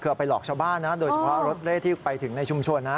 คือเอาไปหลอกชาวบ้านนะโดยเฉพาะรถเร่ที่ไปถึงในชุมชนนะ